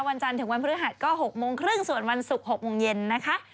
วันจันทร์ถึงวันพฤหัสก็๖โมงครึ่งส่วนวันศุกร์๖โมงเย็นนะคะ